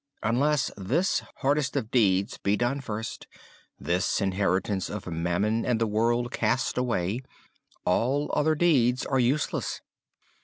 Unless this hardest of deeds be done first this inheritance of mammon and the world cast away, all other deeds are useless.